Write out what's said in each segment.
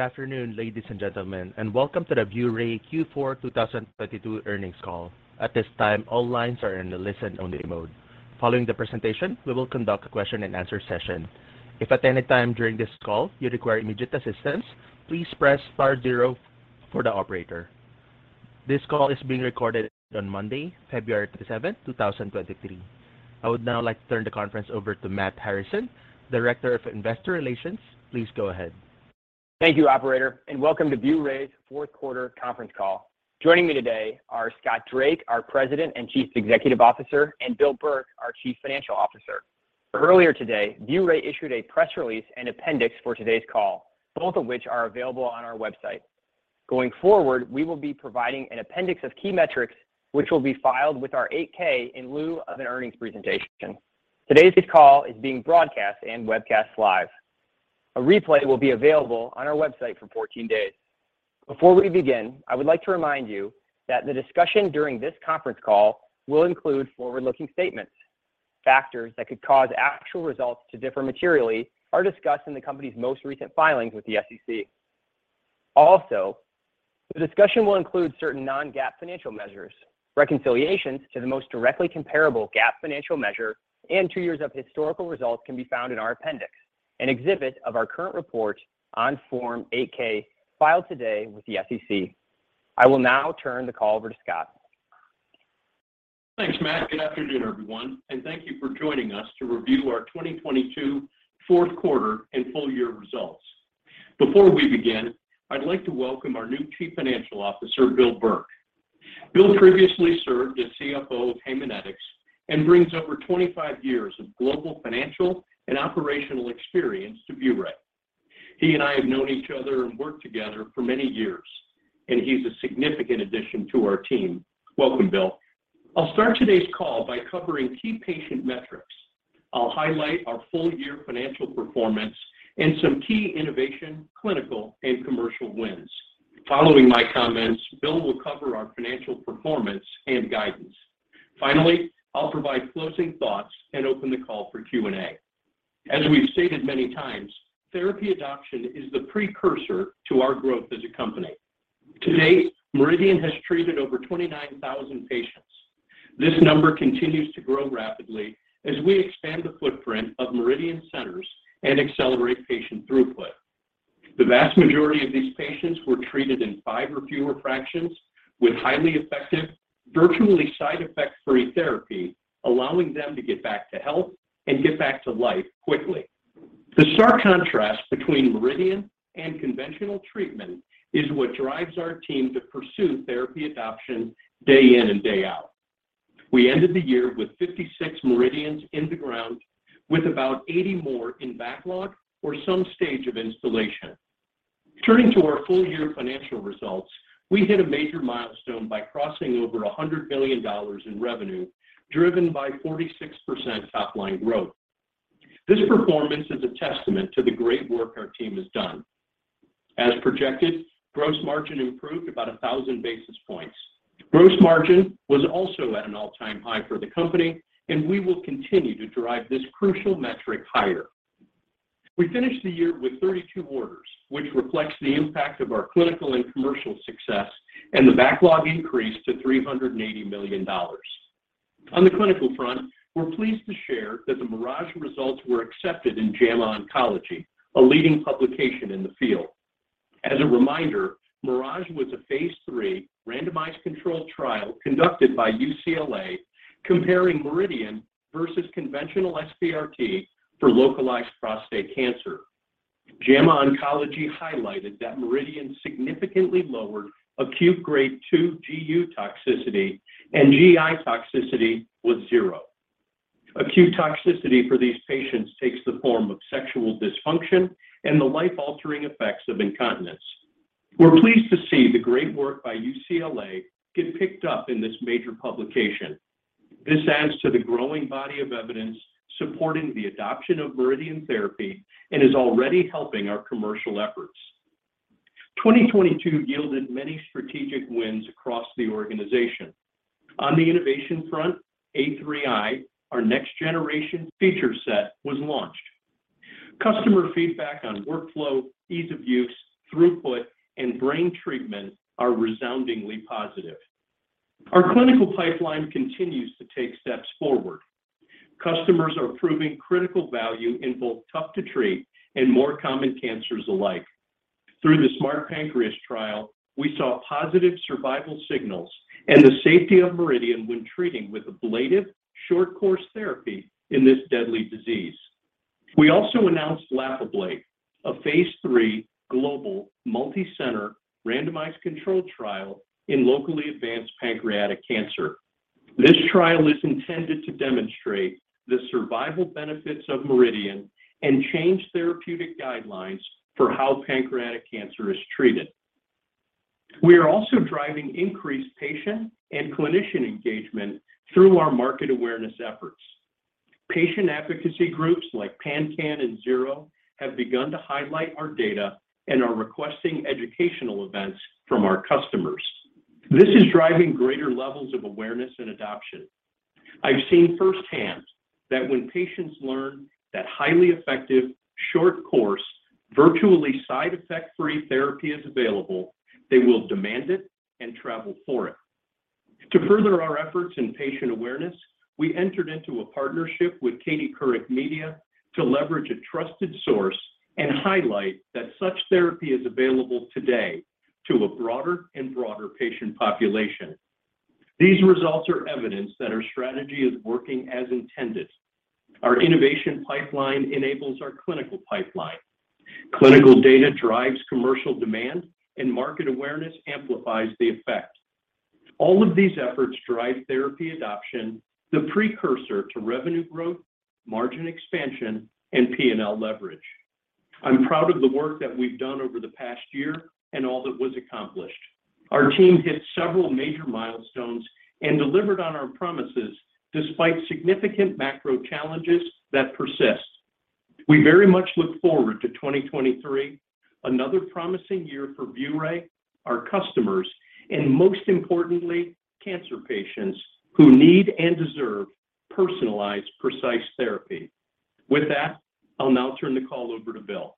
Good afternoon, ladies and gentlemen, and welcome to the ViewRay Q4 2022 earnings call. At this time, all lines are in a listen-only mode. Following the presentation, we will conduct a question-and-answer session. If at any time during this call you require immediate assistance, please press star zero for the operator. This call is being recorded on Monday, February 7th, 2023. I would now like to turn the conference over to Matt Harrison, Director of Investor Relations. Please go ahead. Thank you, operator, welcome to ViewRay's fourth quarter conference call. Joining me today are Scott Drake, our President and Chief Executive Officer, and Bill Burke, our Chief Financial Officer. Earlier today, ViewRay issued a press release and appendix for today's call, both of which are available on our website. Going forward, we will be providing an appendix of key metrics, which will be filed with our Form 8-K in lieu of an earnings presentation. Today's call is being broadcast and webcast live. A replay will be available on our website for 14 days. Before we begin, I would like to remind you that the discussion during this conference call will include forward-looking statements. Factors that could cause actual results to differ materially are discussed in the company's most recent filings with the SEC. The discussion will include certain non-GAAP financial measures. Reconciliations to the most directly comparable GAAP financial measure and two years of historical results can be found in our appendix and exhibit of our current report on Form 8-K filed today with the SEC. I will now turn the call over to Scott. Thanks, Matt. Good afternoon, everyone. Thank you for joining us to review our 2022 fourth quarter and full year results. Before we begin, I'd like to welcome our new Chief Financial Officer, Bill Burke. Bill previously served as CFO of Haemonetics and brings over 25 years of global financial and operational experience to ViewRay. He and I have known each other and worked together for many years. He's a significant addition to our team. Welcome, Bill. I'll start today's call by covering key patient metrics. I'll highlight our full year financial performance and some key innovation, clinical, and commercial wins. Following my comments, Bill will cover our financial performance and guidance. I'll provide closing thoughts and open the call for Q&A. As we've stated many times, therapy adoption is the precursor to our growth as a company. Today, MRIdian has treated over 29,000 patients. This number continues to grow rapidly as we expand the footprint of MRIdian centers and accelerate patient throughput. The vast majority of these patients were treated in five or fewer fractions with highly effective, virtually side-effect-free therapy, allowing them to get back to health and get back to life quickly. The stark contrast between MRIdian and conventional treatment is what drives our team to pursue therapy adoption day in and day out. We ended the year with 56 MRIdians in the ground with about 80 more in backlog or some stage of installation. Turning to our full year financial results, we hit a major milestone by crossing over $100 million in revenue driven by 46% top line growth. This performance is a testament to the great work our team has done. As projected, gross margin improved about 1,000 basis points. Gross margin was also at an all-time high for the company, and we will continue to drive this crucial metric higher. We finished the year with 32 orders, which reflects the impact of our clinical and commercial success, and the backlog increased to $380 million. On the clinical front, we're pleased to share that the MIRAGE results were accepted in JAMA Oncology, a leading publication in the field. As a reminder, MIRAGE was a phase III randomized controlled trial conducted by UCLA comparing MRIdian versus conventional SBRT for localized prostate cancer. JAMA Oncology highlighted that MRIdian significantly lowered acute grade two GU toxicity and GI toxicity was 0. Acute toxicity for these patients takes the form of sexual dysfunction and the life-altering effects of incontinence. We're pleased to see the great work by UCLA get picked up in this major publication. This adds to the growing body of evidence supporting the adoption of MRIdian therapy and is already helping our commercial efforts. 2022 yielded many strategic wins across the organization. On the innovation front, A3i, our next generation feature set, was launched. Customer feedback on workflow, ease of use, throughput, and brain treatment are resoundingly positive. Our clinical pipeline continues to take steps forward. Customers are proving critical value in both tough-to-treat and more common cancers alike. Through the SMART Pancreas trial, we saw positive survival signals and the safety of MRIdian when treating with ablative short course therapy in this deadly disease. We also announced LAP-ABLATE, a phase III global multicenter randomized controlled trial in locally advanced pancreatic cancer. This trial is intended to demonstrate the survival benefits of MRIdian and change therapeutic guidelines for how pancreatic cancer is treated. We are also driving increased patient and clinician engagement through our market awareness efforts. Patient advocacy groups like PanCAN and Zero have begun to highlight our data and are requesting educational events from our customers. This is driving greater levels of awareness and adoption. I've seen firsthand that when patients learn that highly effective, short course, virtually side effect-free therapy is available, they will demand it and travel for it. To further our efforts in patient awareness, we entered into a partnership with Katie Couric Media to leverage a trusted source and highlight that such therapy is available today to a broader and broader patient population. These results are evidence that our strategy is working as intended. Our innovation pipeline enables our clinical pipeline. Clinical data drives commercial demand, and market awareness amplifies the effect. All of these efforts drive therapy adoption, the precursor to revenue growth, margin expansion, and P&L leverage. I'm proud of the work that we've done over the past year and all that was accomplished. Our team hit several major milestones and delivered on our promises despite significant macro challenges that persist. We very much look forward to 2023, another promising year for ViewRay, our customers, and most importantly, cancer patients who need and deserve personalized, precise therapy. With that, I'll now turn the call over to Bill.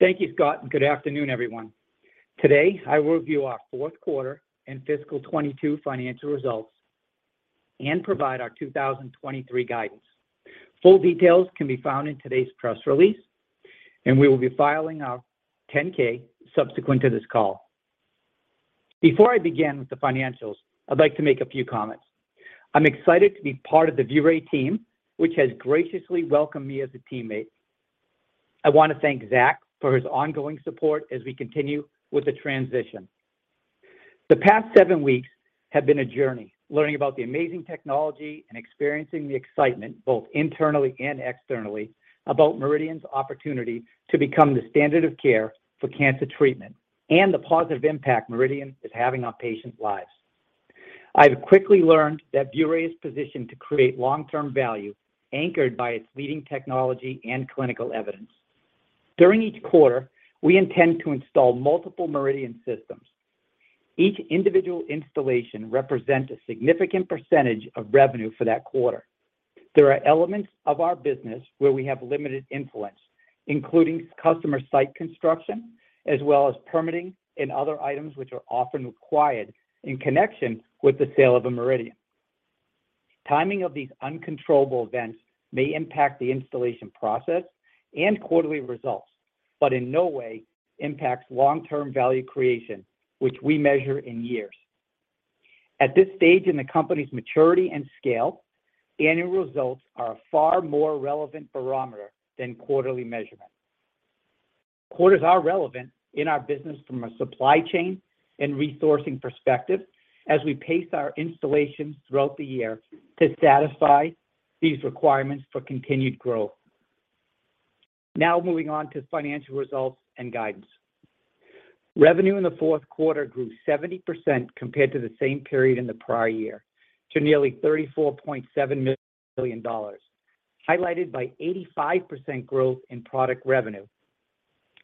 Thank you, Scott. Good afternoon, everyone. Today, I review our fourth quarter and fiscal 22 financial results and provide our 2023 guidance. Full details can be found in today's press release, and we will be filing our 10-K subsequent to this call. Before I begin with the financials, I'd like to make a few comments. I'm excited to be part of the ViewRay team, which has graciously welcomed me as a teammate. I want to thank Zach for his ongoing support as we continue with the transition. The past seven weeks have been a journey, learning about the amazing technology and experiencing the excitement, both internally and externally, about MRIdian's opportunity to become the standard of care for cancer treatment and the positive impact MRIdian is having on patients' lives. I've quickly learned that ViewRay is positioned to create long-term value anchored by its leading technology and clinical evidence. During each quarter, we intend to install multiple MRIdian systems. Each individual installation represents a significant percentage of revenue for that quarter. There are elements of our business where we have limited influence, including customer site construction, as well as permitting and other items which are often required in connection with the sale of a MRIdian. Timing of these uncontrollable events may impact the installation process and quarterly results, but in no way impacts long-term value creation, which we measure in years. At this stage in the company's maturity and scale, annual results are a far more relevant barometer than quarterly measurements. Quarters are relevant in our business from a supply chain and resourcing perspective as we pace our installations throughout the year to satisfy these requirements for continued growth. Now moving on to financial results and guidance. Revenue in the fourth quarter grew 70% compared to the same period in the prior year to nearly $34.7 million, highlighted by 85% growth in product revenue,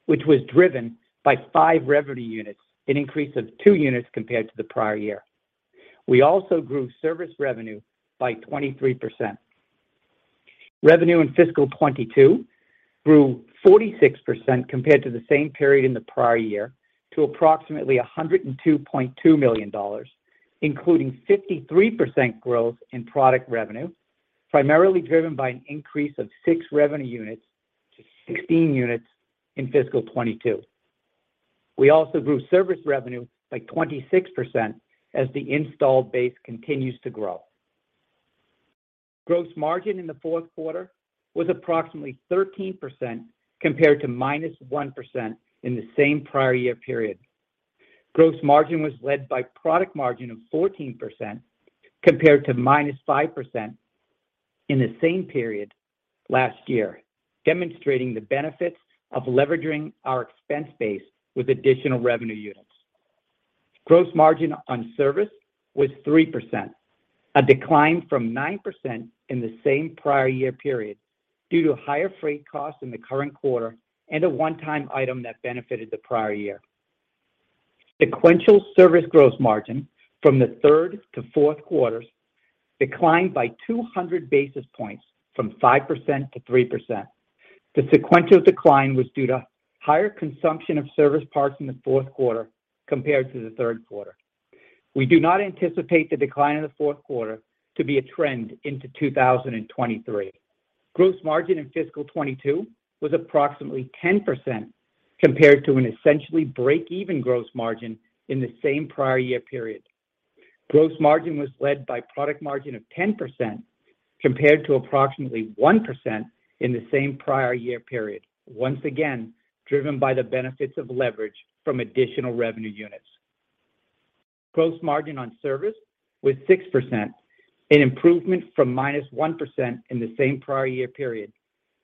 which was driven by five revenue units, an increase of two units compared to the prior year. We also grew service revenue by 23%. Revenue in fiscal 2022 grew 46% compared to the same period in the prior year to approximately $102.2 million, including 53% growth in product revenue, primarily driven by an increase of six revenue units to 16 units in fiscal 2022. We also grew service revenue by 26% as the installed base continues to grow. Gross margin in the fourth quarter was approximately 13% compared to -1% in the same prior year period. Gross margin was led by product margin of 14% compared to -5% in the same period last year, demonstrating the benefits of leveraging our expense base with additional revenue units. Gross margin on service was 3%, a decline from 9% in the same prior year period due to higher freight costs in the current quarter and a one-time item that benefited the prior year. Sequential service gross margin from the third to fourth quarters declined by 200 basis points from 5% to 3%. The sequential decline was due to higher consumption of service parts in the fourth quarter compared to the third quarter. We do not anticipate the decline in the fourth quarter to be a trend into 2023. Gross margin in fiscal 22 was approximately 10% compared to an essentially break-even gross margin in the same prior year period. Gross margin was led by product margin of 10% compared to approximately 1% in the same prior year period, once again, driven by the benefits of leverage from additional revenue units. Gross margin on service was 6%, an improvement from -1% in the same prior year period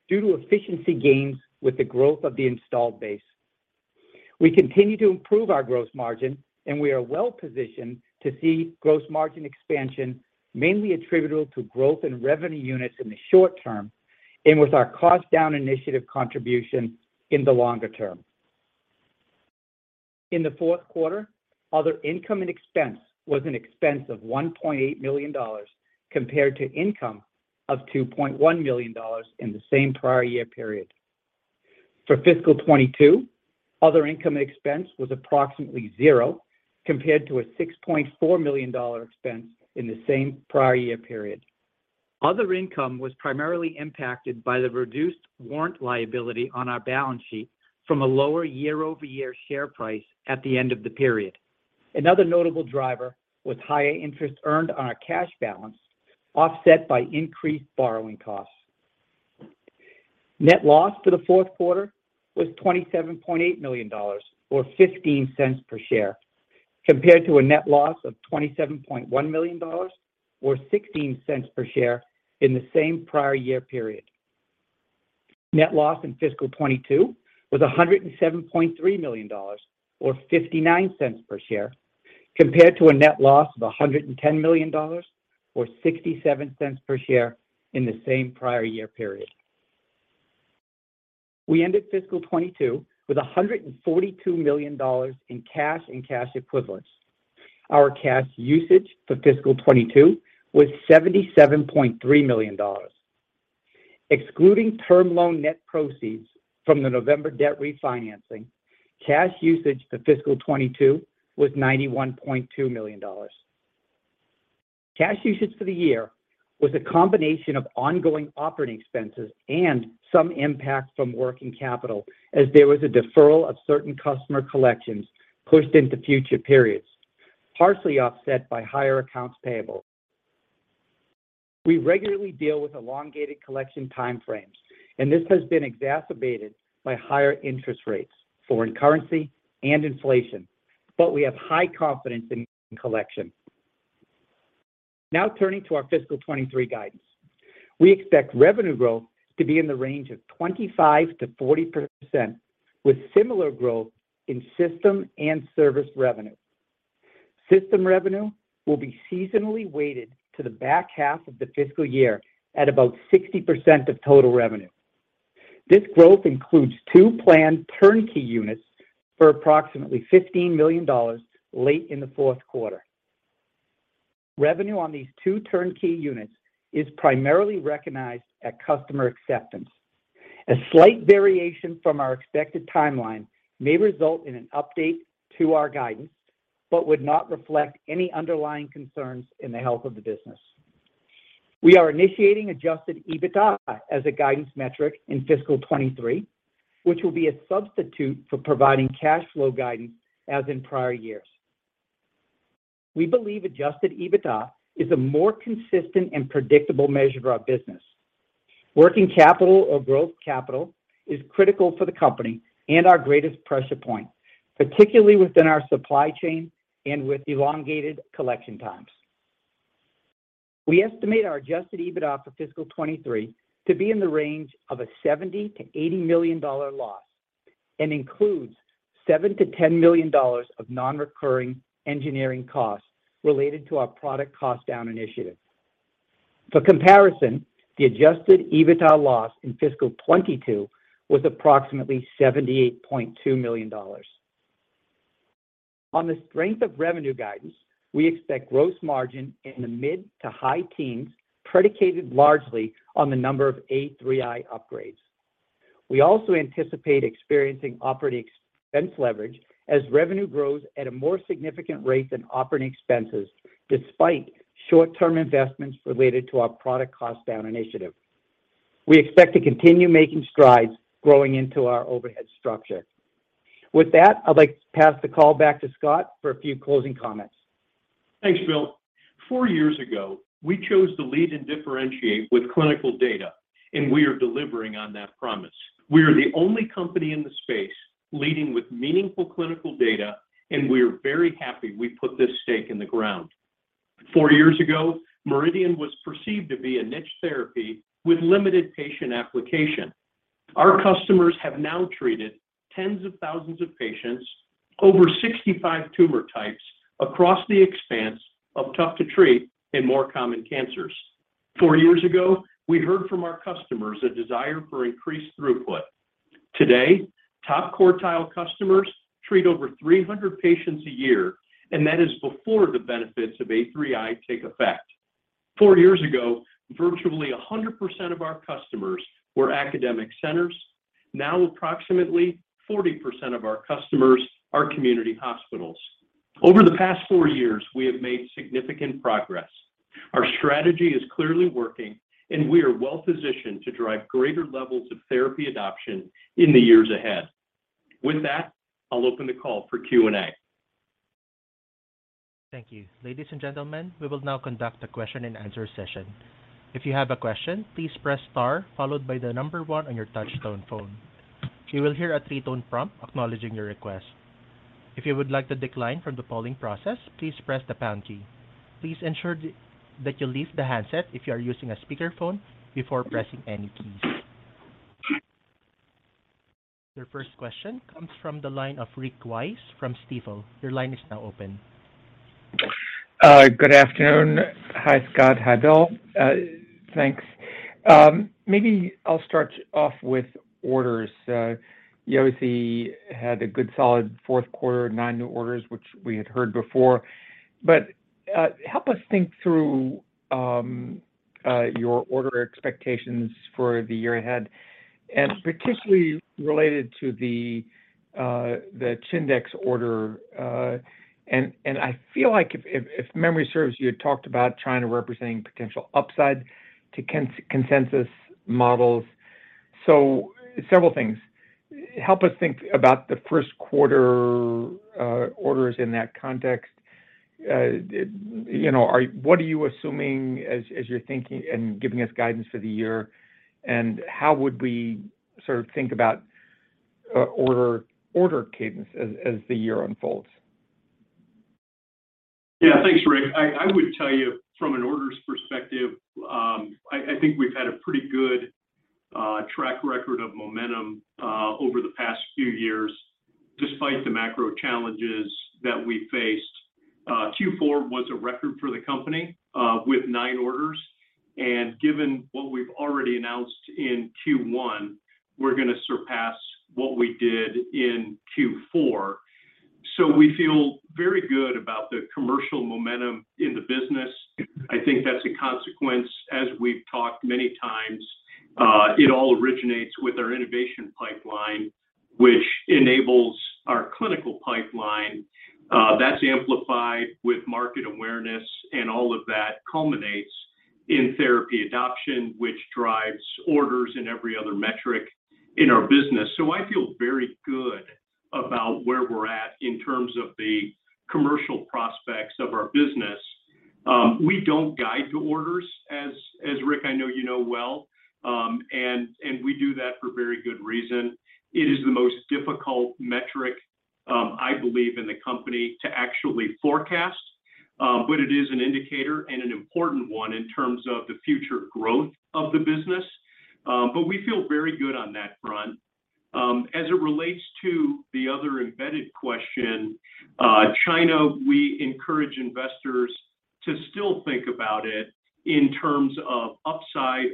due to efficiency gains with the growth of the installed base. We continue to improve our gross margin, and we are well-positioned to see gross margin expansion mainly attributable to growth in revenue units in the short term and with our cost down initiative contribution in the longer term. In the fourth quarter, other income and expense was an expense of $1.8 million compared to income of $2.1 million in the same prior year period. For fiscal 2022, other income expense was approximately zero compared to a $6.4 million expense in the same prior year period. Other income was primarily impacted by the reduced warrant liability on our balance sheet from a lower year-over-year share price at the end of the period. Another notable driver was higher interest earned on our cash balance, offset by increased borrowing costs. Net loss for the fourth quarter was $27.8 million or $0.15 per share, compared to a net loss of $27.1 million or $0.16 per share in the same prior-year period. Net loss in fiscal 2022 was $107.3 million or $0.59 per share, compared to a net loss of $110 million or $0.67 per share in the same prior-year period. We ended fiscal 2022 with $142 million in cash and cash equivalents. Our cash usage for fiscal 2022 was $77.3 million. Excluding term loan net proceeds from the November debt refinancing, cash usage for fiscal 2022 was $91.2 million. Cash usage for the year was a combination of ongoing operating expenses and some impact from working capital as there was a deferral of certain customer collections pushed into future periods, partially offset by higher accounts payable. We regularly deal with elongated collection time frames. This has been exacerbated by higher interest rates, foreign currency, and inflation. We have high confidence in collection. Now turning to our fiscal 23 guidance. We expect revenue growth to be in the range of 25%-40%, with similar growth in system and service revenue. System revenue will be seasonally weighted to the back half of the fiscal year at about 60% of total revenue. This growth includes two planned turnkey units for approximately $15 million late in the fourth quarter. Revenue on these two turnkey units is primarily recognized at customer acceptance. A slight variation from our expected timeline may result in an update to our guidance, but would not reflect any underlying concerns in the health of the business. We are initiating Adjusted EBITDA as a guidance metric in fiscal 2023, which will be a substitute for providing cash flow guidance as in prior years. We believe Adjusted EBITDA is a more consistent and predictable measure of our business. Working capital or growth capital is critical for the company and our greatest pressure point, particularly within our supply chain and with elongated collection times. We estimate our Adjusted EBITDA for fiscal 2023 to be in the range of a $70 million-$80 million loss and includes $7 million-$10 million of non-recurring engineering costs related to our product cost down initiative. For comparison, the Adjusted EBITDA loss in fiscal 2022 was approximately $78.2 million. On the strength of revenue guidance, we expect gross margin in the mid to high teens, predicated largely on the number of A3i upgrades. We also anticipate experiencing operating expense leverage as revenue grows at a more significant rate than operating expenses despite short-term investments related to our product cost down initiative. We expect to continue making strides growing into our overhead structure. With that, I'd like to pass the call back to Scott for a few closing comments. Thanks, Bill. Four years ago, we chose to lead and differentiate with clinical data. We are delivering on that promise. We are the only company in the space leading with meaningful clinical data. We are very happy we put this stake in the ground. Four years ago, MRIdian was perceived to be a niche therapy with limited patient application. Our customers have now treated tens of thousands of patients over 65 tumor types across the expanse of tough to treat and more common cancers. Four years ago, we heard from our customers a desire for increased throughput. Today, top quartile customers treat over 300 patients a year, and that is before the benefits of A3i take effect. Four years ago, virtually 100% of our customers were academic centers. Now, approximately 40% of our customers are community hospitals. Over the past four years, we have made significant progress. Our strategy is clearly working, and we are well-positioned to drive greater levels of therapy adoption in the years ahead. With that, I'll open the call for Q&A. Thank you. Ladies and gentlemen, we will now conduct a question and answer session. If you have a question, please press star followed by the number one on your touchtone phone. You will hear a three-tone prompt acknowledging your request. If you would like to decline from the polling process, please press the pound key. Please ensure that you leave the handset if you are using a speakerphone before pressing any keys. Your first question comes from the line of Rick Wise from Stifel. Your line is now open Good afternoon. Hi, Scott. Hi, Bill. Thanks. Maybe I'll start off with orders. You obviously had a good solid fourth quarter, nine new orders, which we had heard before. Help us think through your order expectations for the year ahead, and particularly related to the Chindex order. I feel like if memory serves you had talked about China representing potential upside to consensus models. Several things. Help us think about the first quarter orders in that context. You know, what are you assuming as you're thinking and giving us guidance for the year? How would we sort of think about order cadence as the year unfolds? Yeah. Thanks, Rick. I would tell you from an orders perspective, I think we've had a pretty good track record of momentum over the past few years, despite the macro challenges that we faced. Q4 was a record for the company with nine orders. Given what we've already announced in Q1, we're gonna surpass what we did in Q4. We feel very good about the commercial momentum in the business. I think that's a consequence, as we've talked many times, it all originates with our innovation pipeline, which enables our clinical pipeline. That's amplified with market awareness, and all of that culminates in therapy adoption, which drives orders in every other metric in our business. I feel very good about where we're at in terms of the commercial prospects of our business. We don't guide to orders as Rick, I know you know well, and we do that for very good reason. It is the most difficult metric, I believe in the company to actually forecast. It is an indicator and an important one in terms of the future growth of the business. We feel very good on that front. As it relates to the other embedded question, China, we encourage investors to still think about it in terms of upside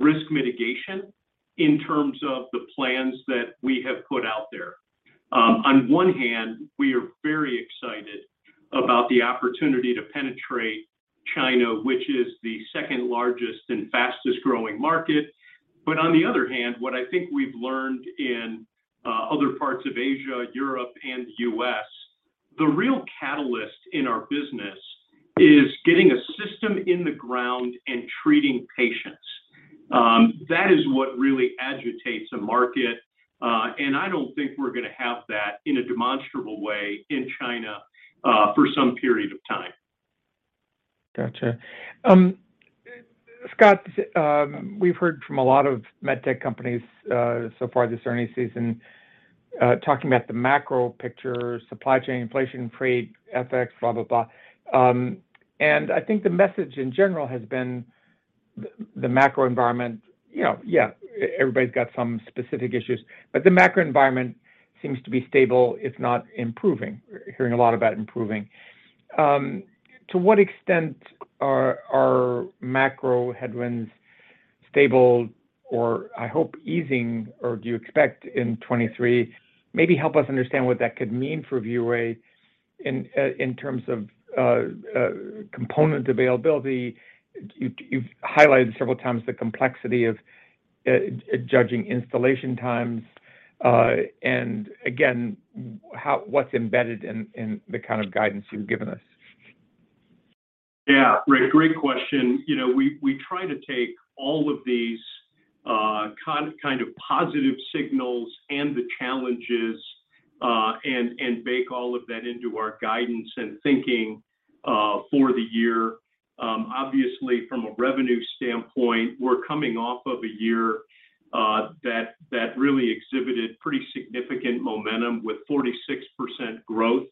or risk mitigation in terms of the plans that we have put out there. On one hand, we are very excited about the opportunity to penetrate China, which is the second largest and fastest-growing market. On the other hand, what I think we've learned in other parts of Asia, Europe and U.S., the real catalyst in our business is getting a system in the ground and treating patients. That is what really agitates a market, and I don't think we're gonna have that in a demonstrable way in China for some period of time. Gotcha. Scott, we've heard from a lot of medtech companies so far this earnings season talking about the macro picture, supply chain, inflation, trade, FX, blah, blah. I think the message in general has been the macro environment. You know, yeah, everybody's got some specific issues, but the macro environment seems to be stable if not improving. Hearing a lot about improving. To what extent are macro headwinds stable or I hope easing, or do you expect in 2023? Maybe help us understand what that could mean for ViewRay in terms of component availability. You've highlighted several times the complexity of judging installation times, and again, what's embedded in the kind of guidance you've given us. Yeah. Rick, great question. You know, we try to take all of these, kind of positive signals and the challenges, and bake all of that into our guidance and thinking for the year. Obviously from a revenue standpoint, we're coming off of a year that really exhibited pretty significant momentum with 46% growth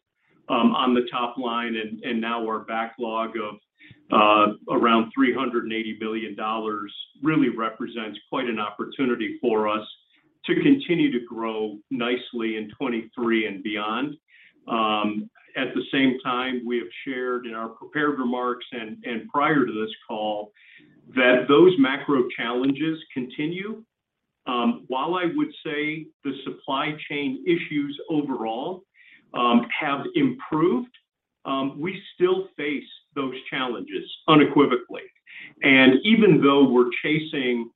on the top line. Now our backlog of around $380 million really represents quite an opportunity for us to continue to grow nicely in 2023 and beyond. At the same time, we have shared in our prepared remarks and prior to this call that those macro challenges continue. While I would say the supply chain issues overall, have improved, we still face those challenges unequivocally. Even though we're chasing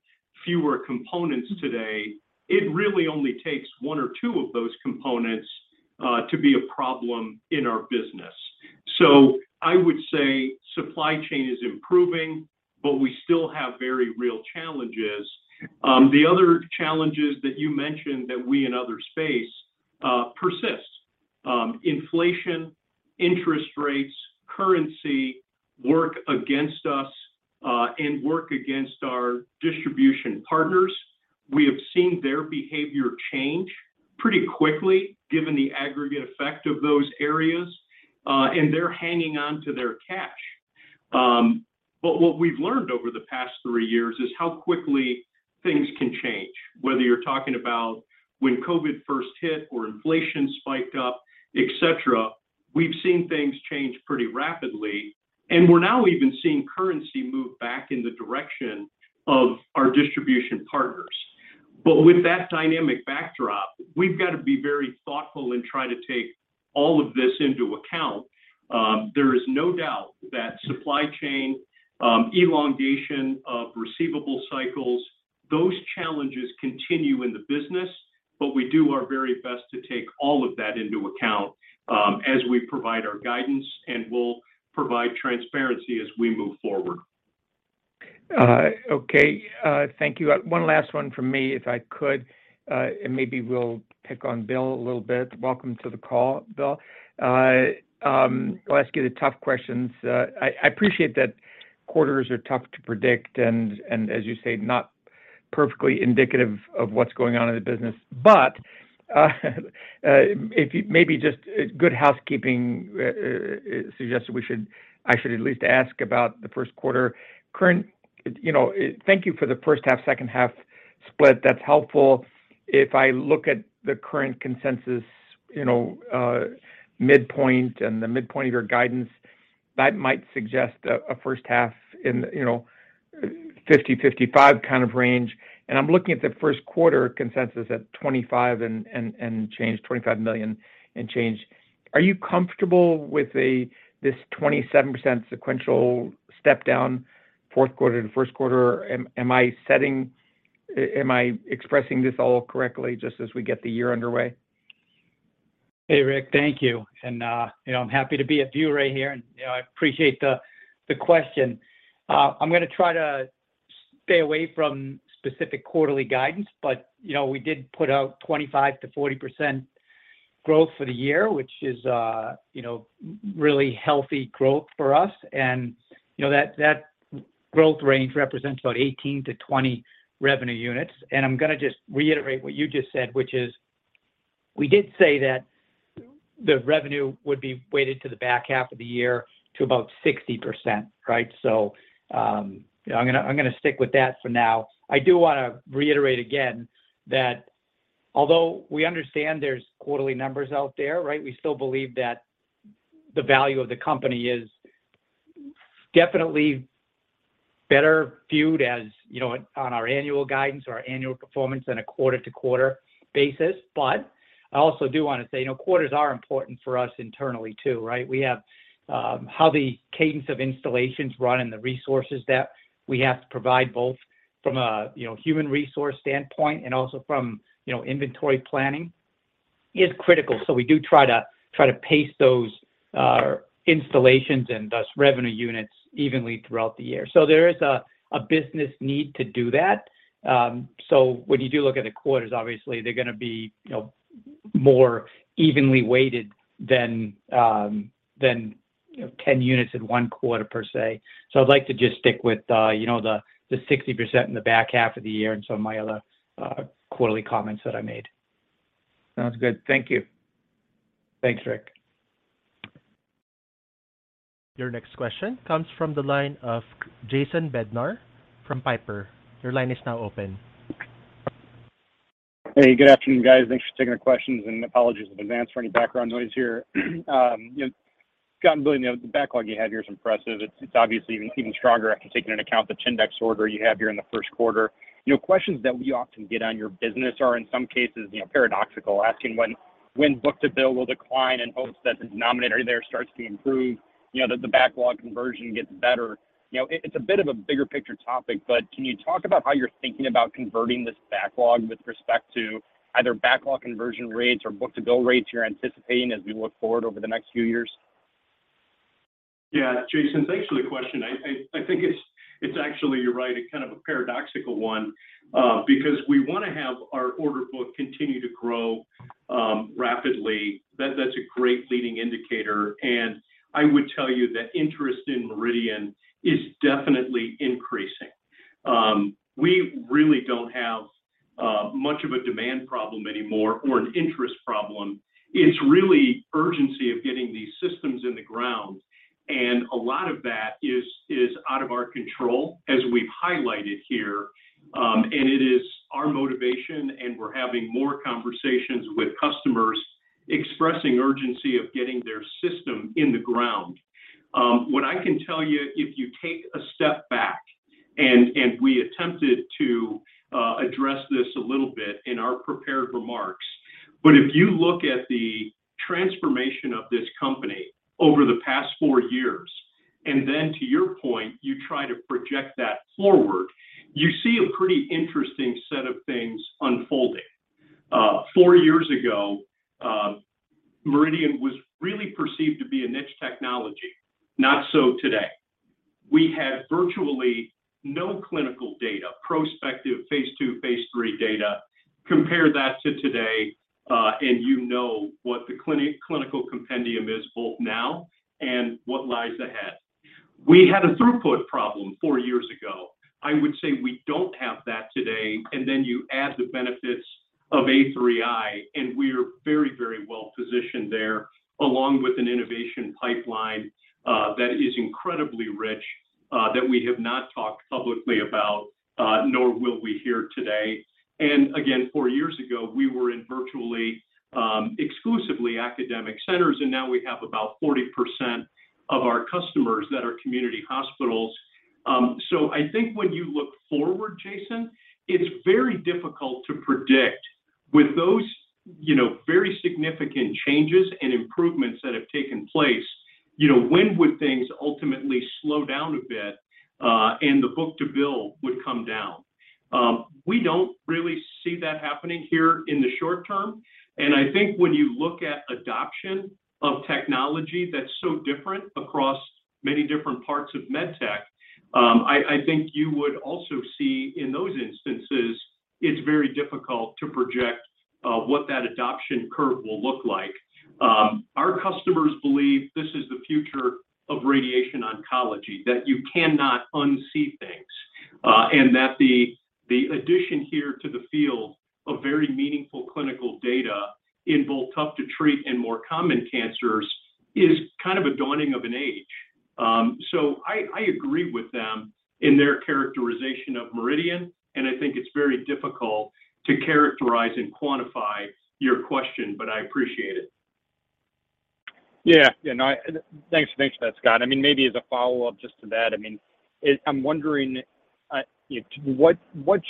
fewer components today, it really only takes one or two of those components to be a problem in our business. I would say supply chain is improving, but we still have very real challenges. The other challenges that you mentioned that we and others face persist. Inflation, interest rates, currency work against us and work against our distribution partners. We have seen their behavior change pretty quickly given the aggregate effect of those areas, and they're hanging on to their cash. What we've learned over the past three years is how quickly things can change, whether you're talking about when COVID first hit or inflation spiked up, et cetera, we've seen things change pretty rapidly, and we're now even seeing currency move back in the direction of our distribution partners. With that dynamic backdrop, we've got to be very thoughtful in trying to take all of this into account. There is no doubt that supply chain, elongation of receivable cycles, those challenges continue in the business. We do our very best to take all of that into account, as we provide our guidance, and we'll provide transparency as we move forward. Okay. Thank you. One last one from me, if I could, and maybe we'll pick on Bill a little bit. Welcome to the call, Bill. I'll ask you the tough questions. I appreciate that quarters are tough to predict, and as you say, not perfectly indicative of what's going on in the business. Maybe just good housekeeping suggests I should at least ask about the first quarter. You know, thank you for the first half, second half split. That's helpful. If I look at the current consensus, you know, midpoint and the midpoint of your guidance, that might suggest a first half in, you know, $50 million, $55 million kind of range. I'm looking at the first quarter consensus at $25 million and change. Are you comfortable with this 27% sequential step down, fourth quarter to first quarter? Am I expressing this all correctly just as we get the year underway? Hey, Rick. Thank you. You know, I'm happy to be a viewer here, and, you know, I appreciate the question. I'm gonna try to stay away from specific quarterly guidance, but, you know, we did put out 25%-40% growth for the year, which is, you know, really healthy growth for us. You know, that growth range represents about 18-20 revenue units. I'm gonna just reiterate what you just said, which is we did say that the revenue would be weighted to the back half of the year to about 60%, right? You know, I'm gonna stick with that for now. I do wanna reiterate again that although we understand there's quarterly numbers out there, right, we still believe that the value of the company is definitely better viewed as, you know, on our annual guidance or our annual performance than a quarter-to-quarter basis. I also do wanna say, you know, quarters are important for us internally too, right? We have how the cadence of installations run and the resources that we have to provide, both from a, you know, human resource standpoint and also from, you know, inventory planning is critical. We do try to pace those installations and thus revenue units evenly throughout the year. There is a business need to do that. When you do look at the quarters, obviously, they're gonna be, you know, more evenly weighted than, you know, 10 units in one quarter per se. I'd like to just stick with, you know, the 60% in the back half of the year and some of my other, quarterly comments that I made. Sounds good. Thank you. Thanks, Rick. Your next question comes from the line of Jason Bednar from Piper. Your line is now open. Good afternoon, guys. Thanks for taking the questions, and apologies in advance for any background noise here. Scott and Bill, you know, the backlog you have here is impressive. It's, it's obviously even stronger after taking into account the Chindex order you have here in the first quarter. Questions that we often get on your business are in some cases, you know, paradoxical, asking when book-to-bill will decline and hope that the denominator there starts to improve, you know, that the backlog conversion gets better. It's a bit of a bigger picture topic, but can you talk about how you're thinking about converting this backlog with respect to either backlog conversion rates or book-to-bill rates you're anticipating as we look forward over the next few years? Yeah. Jason, thanks for the question. I think it's actually, you're right, a kind of a paradoxical one, because we wanna have our order book continue to grow rapidly. That's a great leading indicator. I would tell you that interest in MRIdian is definitely increasing. We really don't have much of a demand problem anymore or an interest problem. It's really urgency of getting these systems in the ground. A lot of that is out of our control, as we've highlighted here. It is our motivation, and we're having more conversations with customers expressing urgency of getting their system in the ground. What I can tell you, if you take a step back, and we attempted to address this a little bit in our prepared remarks. If you look at the transformation of this company over the past four years, and then to your point, you try to project that forward, you see a pretty interesting set of things unfolding. Four years ago, MRIdian was really perceived to be a niche technology. Not so today. We had virtually no clinical data, prospective phase II, phase III data. Compare that to today, and you know what the clinical compendium is both now and what lies ahead. We had a throughput problem four years ago. I would say we don't have that today. Then you add the benefits of MRIdian A3i, and we're very, very well positioned there, along with an innovation pipeline that is incredibly rich that we have not talked publicly about, nor will we here today. Four years ago, we were in virtually exclusively academic centers, and now we have about 40% of our customers that are community hospitals. I think when you look forward, Jason, it's very difficult to predict with those, you know, very significant changes and improvements that have taken place, you know, when would things ultimately slow down a bit, and the book-to-bill would come down. We don't really see that happening here in the short term, I think you would also see in those instances it's very difficult to project what that adoption curve will look like. Our customers believe this is the future of radiation oncology, that you cannot unsee things, and that the addition here to the field of very meaningful clinical data in both tough-to-treat and more common cancers is kind of a dawning of an age. I agree with them in their characterization of MRIdian, and I think it's very difficult to characterize and quantify your question, but I appreciate it. Yeah. Yeah, no, thanks for that, Scott. I mean, maybe as a follow-up just to that, I mean, I'm wondering, what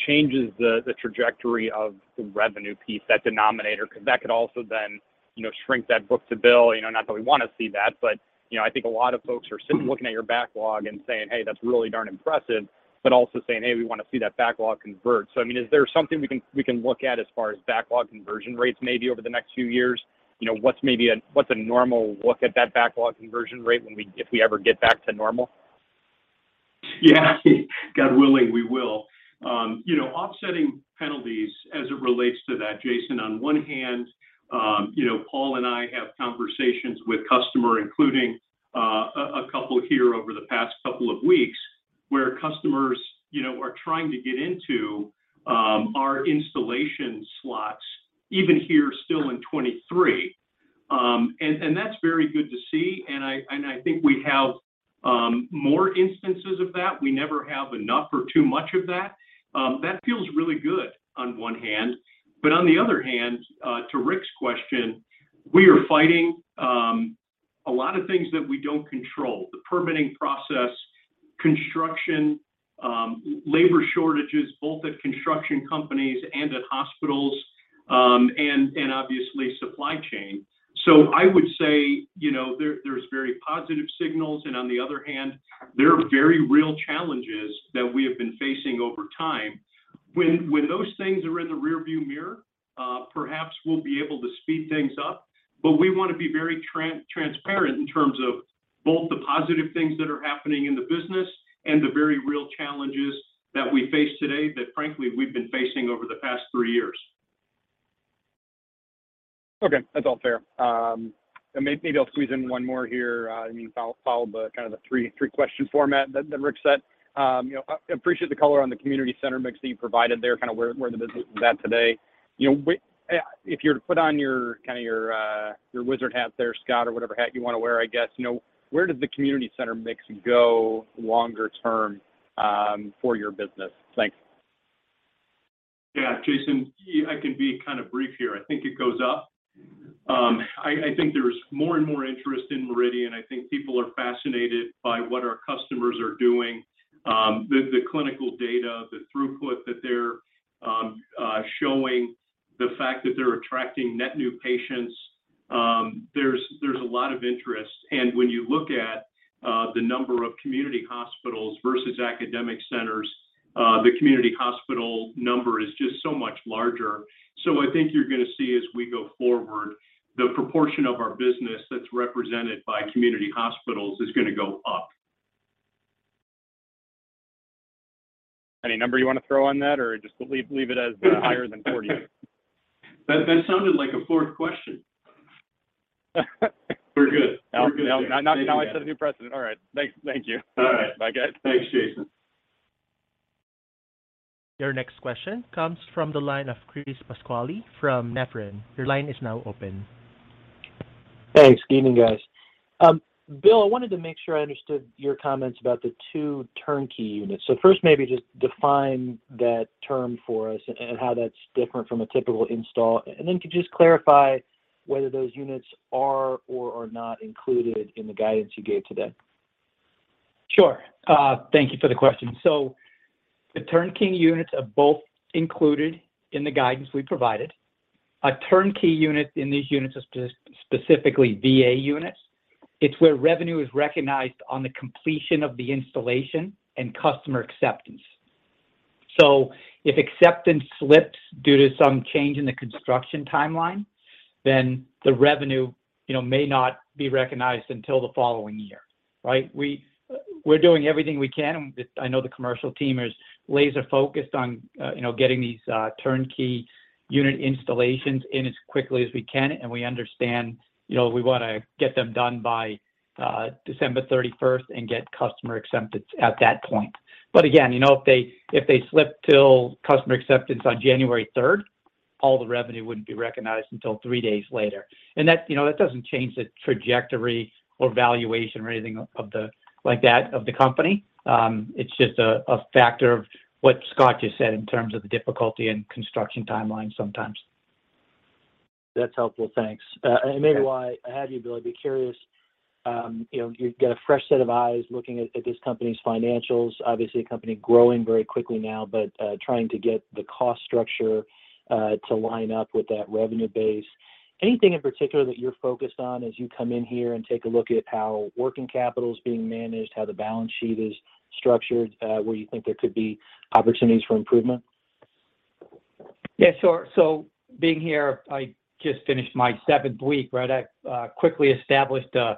changes the trajectory of the revenue piece, that denominator? That could also then, you know, shrink that book-to-bill. You know, not that we want to see that, but, you know, I think a lot of folks are sitting looking at your backlog and saying, "Hey, that's really darn impressive," but also saying, "Hey, we want to see that backlog convert." I mean, is there something we can, we can look at as far as backlog conversion rates maybe over the next few years? You know, what's maybe what's a normal look at that backlog conversion rate when if we ever get back to normal? Yeah. God willing, we will. You know, offsetting penalties as it relates to that, Jason, on one hand, you know, Paul and I have conversations with customer, including a couple here over the past couple of weeks, where customers, you know, are trying to get into our installation slots even here still in 23. That's very good to see, and I think we have more instances of that. We never have enough or too much of that. That feels really good on one hand. On the other hand, to Rick's question, we are fighting a lot of things that we don't control, the permitting process, construction, labor shortages, both at construction companies and at hospitals, and obviously supply chain. I would say, you know, there's very positive signals and on the other hand, there are very real challenges that we have been facing over time. When those things are in the rearview mirror, perhaps we'll be able to speed things up. We want to be very transparent in terms of both the positive things that are happening in the business and the very real challenges that we face today that frankly we've been facing over the past three years. Okay. That's all fair. Maybe I'll squeeze in one more here. I mean, follow the kind of the three-question format that Rick set. You know, I appreciate the color on the community center mix that you provided there, kind of where the business is at today. You know, if you're to put on your kind of your wizard hat there, Scott, or whatever hat you wanna wear, I guess, you know, where does the community center mix go longer term for your business? Thanks. Yeah. Jason, I can be kind of brief here. I think it goes up. I think there's more and more interest in MRIdian. I think people are fascinated by what our customers are doing, the clinical data, the throughput that they're showing, the fact that they're attracting net new patients. There's a lot of interest. When you look at the number of community hospitals versus academic centers, the community hospital number is just so much larger. I think you're gonna see as we go forward, the proportion of our business that's represented by community hospitals is gonna go up. Any number you wanna throw on that or just leave it as higher than 40? That sounded like a fourth question. We're good. Oh, now I set a new precedent. All right. Thanks. Thank you. All right. Bye guys. Thanks, Jason. Your next question comes from the line of Chris Pasquale from Nephron. Your line is now open. Thanks. Good evening, guys. Bill, I wanted to make sure I understood your comments about the two turnkey units. First, maybe just define that term for us and how that's different from a typical install? Could you just clarify whether those units are or are not included in the guidance you gave today? Sure. thank you for the question. The turnkey units are both included in the guidance we provided. A turnkey unit in these units is specifically VA units. It's where revenue is recognized on the completion of the installation and customer acceptance. If acceptance slips due to some change in the construction timeline, then the revenue, you know, may not be recognized until the following year. We, we're doing everything we can. I know the commercial team is laser focused on, you know, getting these turnkey unit installations in as quickly as we can, and we understand, you know, we wanna get them done by December 31st and get customer acceptance at that point. Again, you know, if they, if they slip till customer acceptance on January 3rd. All the revenue wouldn't be recognized until three days later. That, you know, that doesn't change the trajectory or valuation or anything like that of the company. It's just a factor of what Scott just said in terms of the difficulty in construction timelines sometimes. That's helpful. Thanks. Maybe while I have you, Bill, I'd be curious, you know, you've got a fresh set of eyes looking at this company's financials, obviously a company growing very quickly now, but trying to get the cost structure to line up with that revenue base. Anything in particular that you're focused on as you come in here and take a look at how working capital is being managed, how the balance sheet is structured, where you think there could be opportunities for improvement? Yeah, sure. Being here, I just finished my seventh week, right. I quickly established a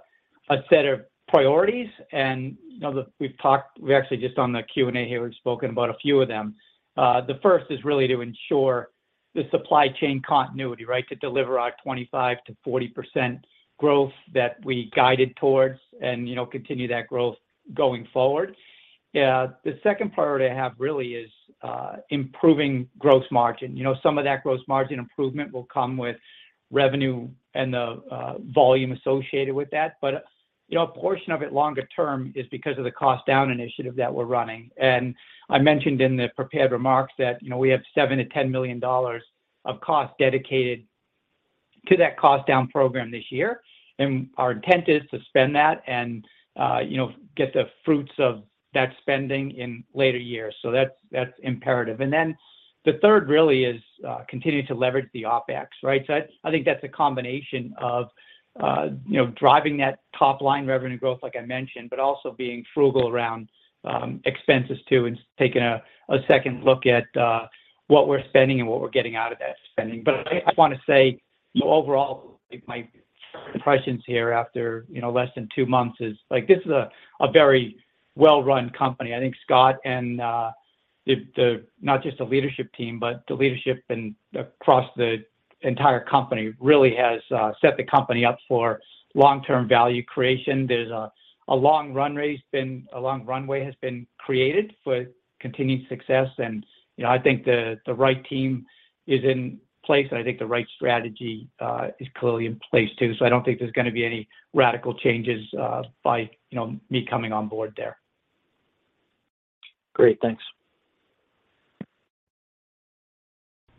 set of priorities, you know, we actually just on the Q&A here, we've spoken about a few of them. The first is really to ensure the supply chain continuity, right. To deliver our 25%-40% growth that we guided towards and, you know, continue that growth going forward. The second priority I have really is improving gross margin. You know, some of that gross margin improvement will come with revenue and the volume associated with that. You know, a portion of it longer term is because of the cost down initiative that we're running. I mentioned in the prepared remarks that, you know, we have $7 million-$10 million of cost dedicated to that cost down program this year, and our intent is to spend that and, you know, get the fruits of that spending in later years. That's, that's imperative. The third really is, continue to leverage the OpEx, right? I think that's a combination of, you know, driving that top-line revenue growth like I mentioned, but also being frugal around expenses too, and taking a second look at what we're spending and what we're getting out of that spending. I want to say, you know, overall, like my impressions here after, you know, less than two months is like, this is a very well-run company. I think Scott and not just the leadership team, but the leadership and across the entire company really has set the company up for long-term value creation. There's a long runway has been created for continued success and, you know, I think the right team is in place, and I think the right strategy is clearly in place too. I don't think there's going to be any radical changes by, you know, me coming on board there. Great. Thanks.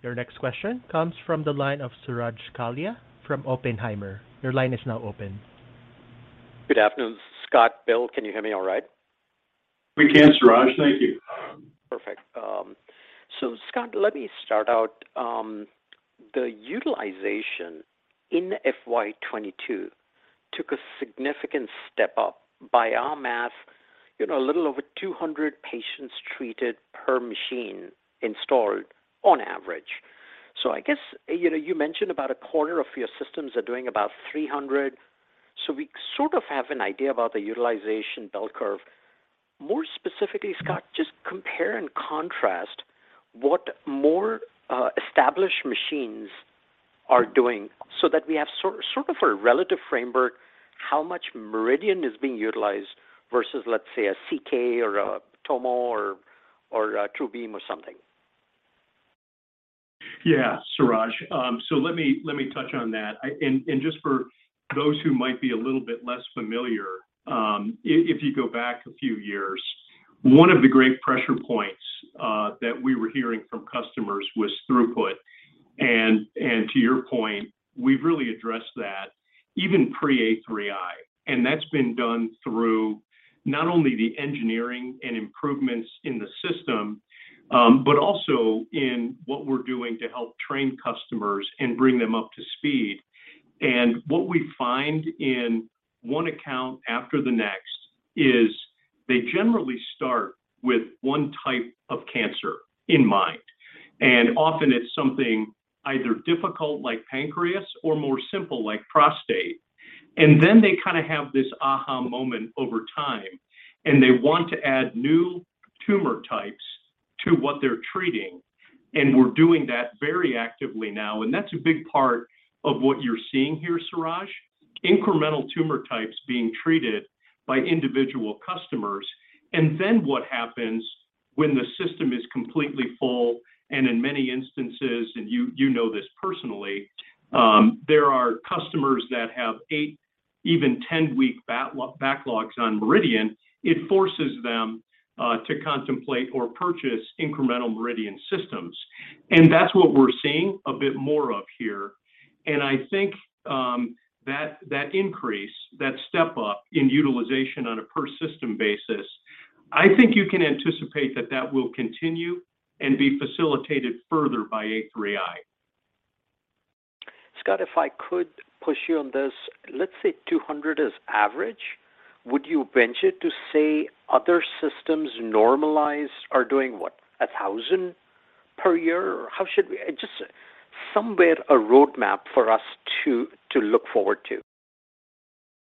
Your next question comes from the line of Suraj Kalia from Oppenheimer. Your line is now open. Good afternoon, Scott, Bill. Can you hear me all right? We can, Suraj. Thank you. Perfect. Scott, let me start out. The utilization in FY 22 took a significant step up. By our math, you know, a little over 200 patients treated per machine installed on average. I guess, you know, you mentioned about a quarter of your systems are doing about 300. We sort of have an idea about the utilization bell curve. More specifically, Scott, just compare and contrast what more established machines are doing so that we have sort of a relative framework how much MRIdian is being utilized versus, let's say, a CyberKnife or a TomoTherapy or a TrueBeam or something. Yeah, Suraj. Let me touch on that. Just for those who might be a little bit less familiar, if you go back a few years, one of the great pressure points that we were hearing from customers was throughput. To your point, we've really addressed that even pre A3i, and that's been done through not only the engineering and improvements in the system, but also in what we're doing to help train customers and bring them up to speed. What we find in one account after the next is they generally start with one type of cancer in mind. Often it's something either difficult like pancreas or more simple like prostate. They kind of have this aha moment over time, and they want to add new tumor types to what they're treating. We're doing that very actively now, that's a big part of what you're seeing here, Suraj. Incremental tumor types being treated by individual customers. Then what happens when the system is completely full, and in many instances, and you know this personally, there are customers that have eight, even 10-week backlogs on MRIdian. It forces them to contemplate or purchase incremental MRIdian systems. That's what we're seeing a bit more of here. I think that increase, that step up in utilization on a per system basis, I think you can anticipate that that will continue and be facilitated further by A3i. Scott, if I could push you on this. Let's say 200 is average. Would you venture to say other systems normalized are doing what? 1,000 per year? Just somewhere a roadmap for us to look forward to.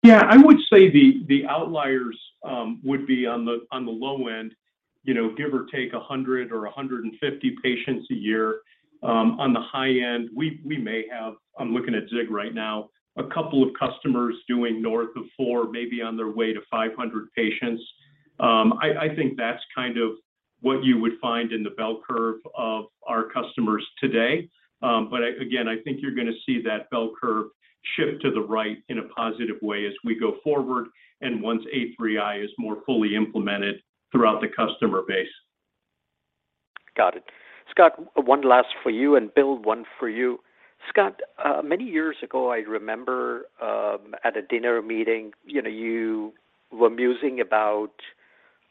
Yeah. I would say the outliers, would be on the low end, you know, give or take 100 or 150 patients a year. On the high end, we may have, I'm looking at Zig right now, a couple of customers doing north of 400, maybe on their way to 500 patients. I think that's kind of what you would find in the bell curve of our customers today. Again, I think you're gonna see that bell curve shift to the right in a positive way as we go forward and once A3i is more fully implemented throughout the customer base. Got it. Scott, one last for you, and Bill, one for you. Scott, many years ago, I remember, at a dinner meeting, you know, you were musing about,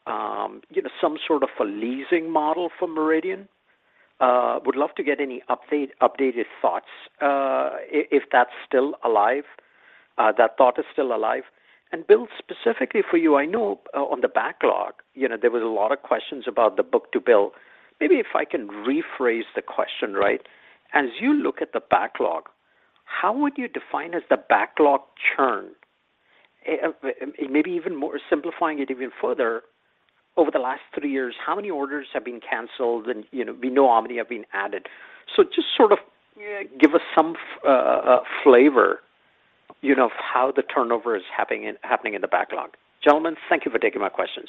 you know, some sort of a leasing model for MRIdian. Would love to get any updated thoughts, if that's still alive, that thought is still alive. Bill, specifically for you, I know on the backlog, you know, there was a lot of questions about the book-to-bill. Maybe if I can rephrase the question, right? As you look at the backlog, how would you define as the backlog churn? And maybe even simplifying it even further, over the last three years, how many orders have been canceled and, you know, we know how many have been added. Just sort of, give us some flavor, you know, of how the turnover is happening in the backlog. Gentlemen, thank you for taking my questions.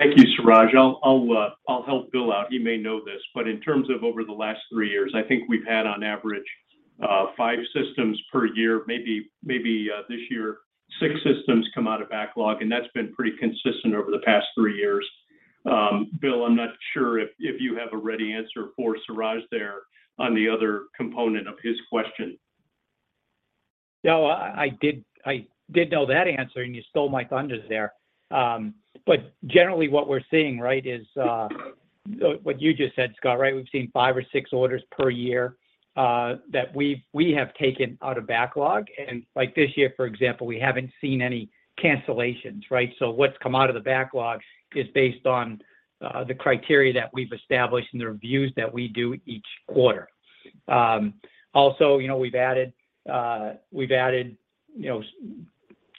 Thank you, Suraj. I'll help Bill out. He may know this, but in terms of over the last three years, I think we've had on average, five systems per year, maybe, this year, six systems come out of backlog. That's been pretty consistent over the past three years. Bill, I'm not sure if you have a ready answer for Suraj there on the other component of his question. No, I did know that answer, and you stole my thunder there. Generally what we're seeing, right, is what you just said, Scott, right? We've seen five or six orders per year that we have taken out of backlog. Like this year, for example, we haven't seen any cancellations, right? What's come out of the backlog is based on the criteria that we've established and the reviews that we do each quarter. Also, you know, we've added, you know,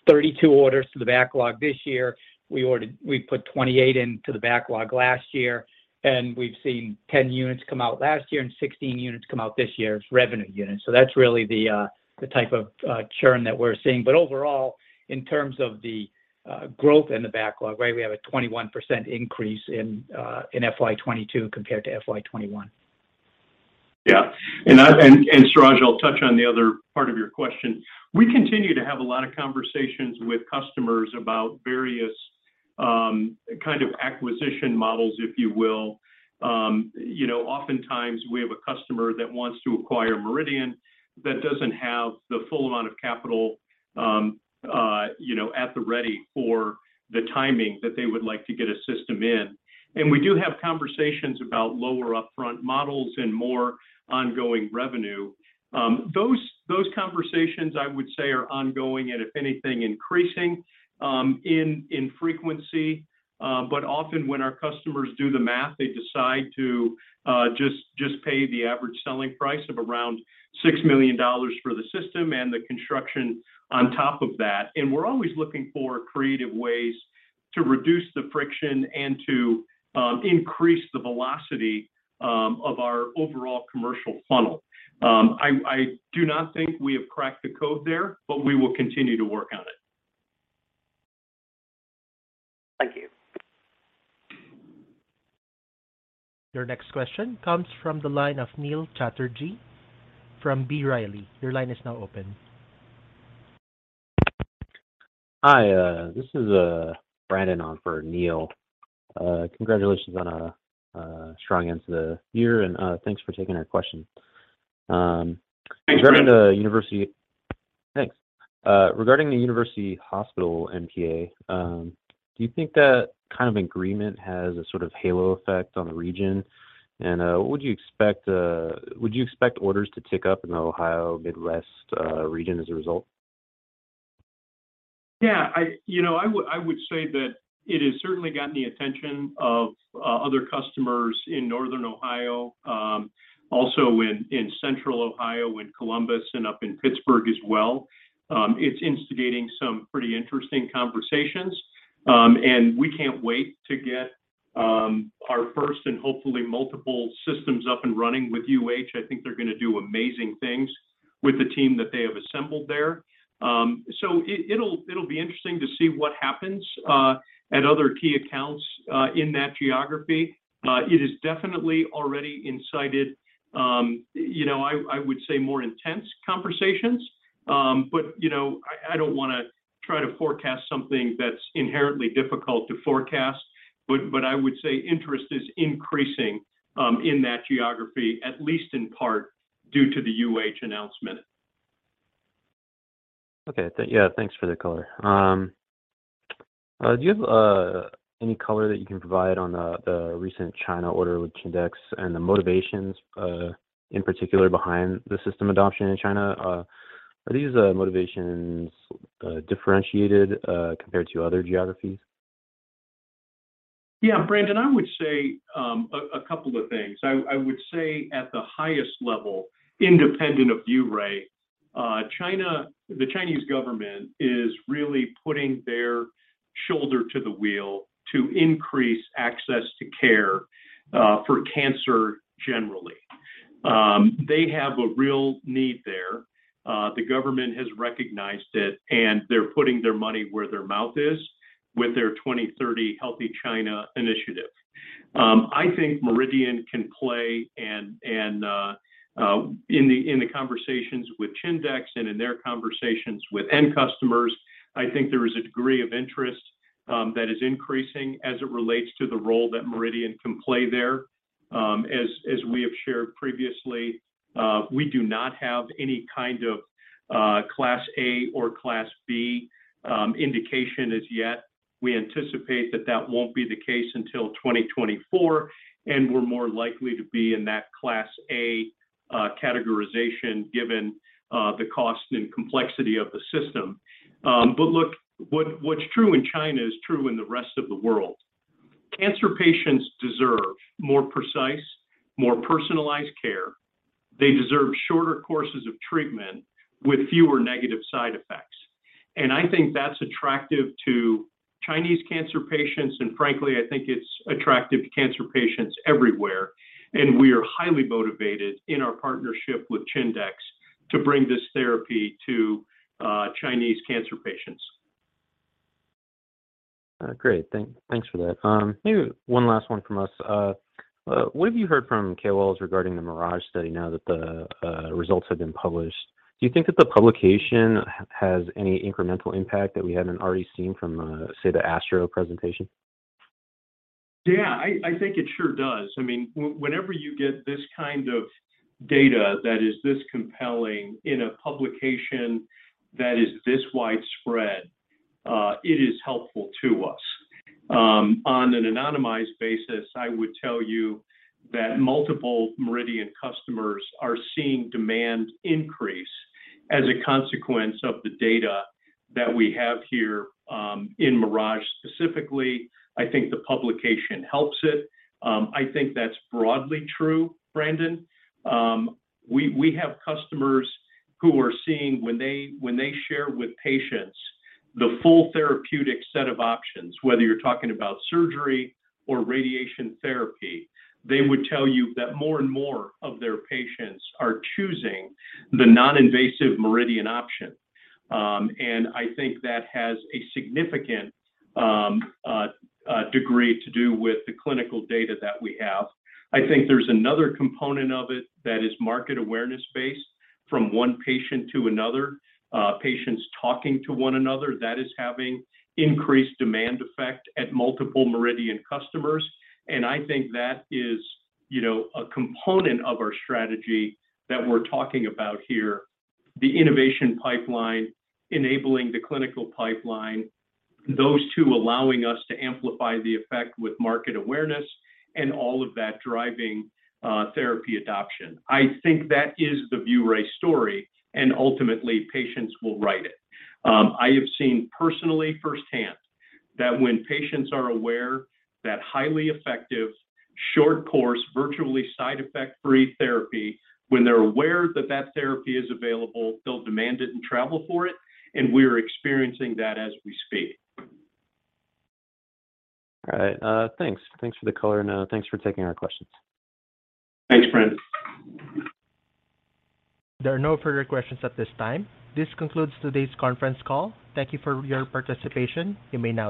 32 orders to the backlog this year. We put 28 into the backlog last year, and we've seen 10 units come out last year and 16 units come out this year as revenue units. That's really the type of churn that we're seeing. Overall, in terms of the growth in the backlog, right, we have a 21% increase in FY 22 compared to FY 21. Yeah. Suraj, I'll touch on the other part of your question. We continue to have a lot of conversations with customers about various kind of acquisition models, if you will. You know, oftentimes we have a customer that wants to acquire MRIdian that doesn't have the full amount of capital, you know, at the ready for the timing that they would like to get a system in. We do have conversations about lower upfront models and more ongoing revenue. Those conversations I would say are ongoing and if anything, increasing in frequency. Often when our customers do the math, they decide to just pay the average selling price of around $6 million for the system and the construction on top of that. We're always looking for creative ways to reduce the friction and to increase the velocity of our overall commercial funnel. I do not think we have cracked the code there, but we will continue to work on it. Thank you. Your next question comes from the line of Neil Chatterji from B. Riley. Your line is now open. Hi, this is Brandon on for Neil. Congratulations on a strong end to the year. Thanks for taking our question. Thanks, Brandon. Thanks. Regarding the University Hospital NPA, do you think that kind of agreement has a sort of halo effect on the region? What would you expect, would you expect orders to tick up in the Ohio Midwest region as a result? Yeah, I, you know, I would say that it has certainly gotten the attention of other customers in Northern Ohio, also in Central Ohio, in Columbus, and up in Pittsburgh as well. It's instigating some pretty interesting conversations. We can't wait to get our first and hopefully multiple systems up and running with UH. I think they're gonna do amazing things with the team that they have assembled there. It'll be interesting to see what happens at other key accounts in that geography. It has definitely already incited, you know, I would say more intense conversations. You know, I don't wanna try to forecast something that's inherently difficult to forecast, but I would say interest is increasing in that geography, at least in part due to the UH announcement. Okay. Yeah, thanks for the color. Do you have any color that you can provide on the recent China order with Chindex and the motivations in particular behind the system adoption in China? Are these motivations differentiated compared to other geographies? Brandon, I would say a couple of things. I would say at the highest level, independent of ViewRay, China, the Chinese government is really putting their shoulder to the wheel to increase access to care for cancer generally. They have a real need there. The government has recognized it, and they're putting their money where their mouth is with their 2030 Healthy China initiative. I think MRIdian can play and in the conversations with Chindex and in their conversations with end customers, I think there is a degree of interest that is increasing as it relates to the role that MRIdian can play there. As we have shared previously, we do not have any kind of Class A or Class B indication as yet. We anticipate that that won't be the case until 2024, we're more likely to be in that Class A categorization given the cost and complexity of the system. Look, what's true in China is true in the rest of the world. Cancer patients deserve more precise, more personalized care. They deserve shorter courses of treatment with fewer negative side effects. I think that's attractive to Chinese cancer patients, and frankly, I think it's attractive to cancer patients everywhere. We are highly motivated in our partnership with Chindex to bring this therapy to Chinese cancer patients. Great. Thanks for that. Maybe one last one from us. What have you heard from KOLs regarding the MIRAGE study now that the results have been published? Do you think that the publication has any incremental impact that we haven't already seen from, say, the ASTRO presentation? I think it sure does. I mean, whenever you get this kind of data that is this compelling in a publication that is this widespread, it is helpful to us. On an anonymized basis, I would tell you that multiple MRIdian customers are seeing demand increase as a consequence of the data that we have here, in MIRAGE specifically. I think the publication helps it. I think that's broadly true, Brandon. We have customers who are seeing when they, when they share with patients the full therapeutic set of options, whether you're talking about surgery or radiation therapy, they would tell you that more and more of their patients are choosing the non-invasive MRIdian option. I think that has a significant degree to do with the clinical data that we have. I think there's another component of it that is market awareness based from one patient to another, patients talking to one another. That is having increased demand effect at multiple MRIdian customers. I think that is, you know, a component of our strategy that we're talking about here, the innovation pipeline enabling the clinical pipeline, those two allowing us to amplify the effect with market awareness and all of that driving, therapy adoption. I think that is the ViewRay story, and ultimately, patients will write it. I have seen personally firsthand that when patients are aware that highly effective, short course, virtually side effect-free therapy, when they're aware that that therapy is available, they'll demand it and travel for it, and we're experiencing that as we speak. All right. Thanks. Thanks for the color, and, thanks for taking our questions. Thanks, Brandon. There are no further questions at this time. This concludes today's conference call. Thank you for your participation. You may now disconnect.